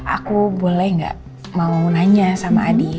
aku boleh gak mau nanya sama adi